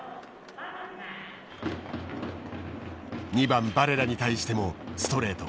２番バレラに対してもストレート。